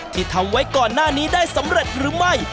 ที่ทำไว้ก่อนหน้านี้ได้สำเร็จหรือไม่